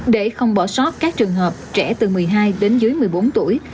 để không bỏ sót các trường hợp trẻ từ một mươi hai đến dưới một mươi bốn tuổi